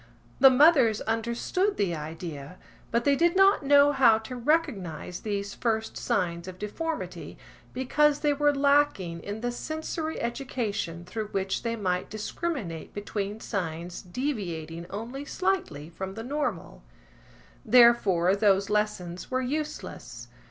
The mothers understood the idea, but they did not know how to recognise these first signs of deformity, because they were lacking in the sensory education through which they might discriminate between signs deviating only slightly from the normal. Therefore those lessons were useless.